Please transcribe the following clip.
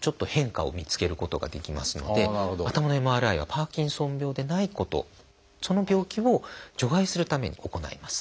ちょっと変化を見つけることができますので頭のＭＲＩはパーキンソン病でないことその病気を除外するために行います。